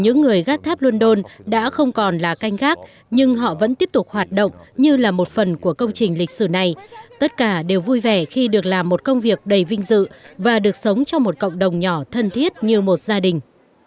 những người gác tháp london đã không còn là canh gác nhưng họ vẫn tiếp tục hoạt động như là một phần của công trình lịch sử này tất cả đều vui vẻ khi được làm một công việc đầy vinh dự và được sống trong một cộng đồng nhỏ thân thiết như một gia đình